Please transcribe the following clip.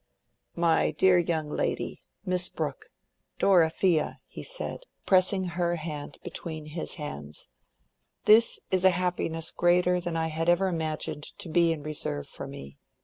"My dear young lady—Miss Brooke—Dorothea!" he said, pressing her hand between his hands, "this is a happiness greater than I had ever imagined to be in reserve for me.